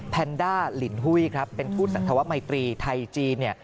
แพนด้าหลินหุ้ยครับเป็นทูตศักดิ์ธรรมมัยตรีไทยจีน